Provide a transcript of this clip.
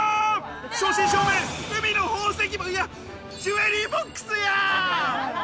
正真正銘、海の宝石箱、いや、ジュエリーボックスや！